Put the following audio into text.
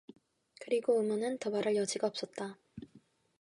그리고 의모는 더 말할 여지가 없었다.